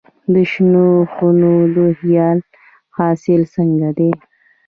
د شنو خونو د خیار حاصل څنګه دی؟